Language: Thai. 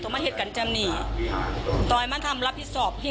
ช่วยเร่งจับตัวคนร้ายให้ได้โดยเร่ง